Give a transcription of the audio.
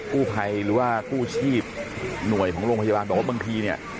กู้ภัยหรือว่ากู้ชีพหน่วยของโรงพยาบาลบอกว่าบางทีเนี่ย